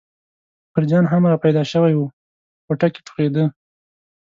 اکبرجان هم را پیدا شوی و په کوټه کې ټوخېده.